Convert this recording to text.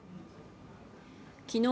きのう